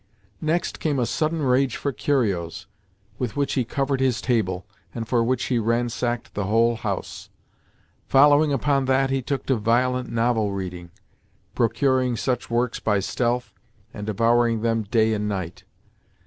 Next came a sudden rage for curios, with which he covered his table, and for which he ransacked the whole house. Following upon that, he took to violent novel reading—procuring such works by stealth, and devouring them day and night.